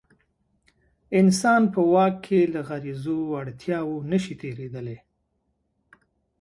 انسان په واک کې له غریزو اړتیاوو نه شي تېرېدلی.